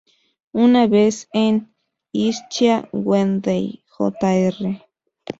Una vez en Ischia, Wendell Jr.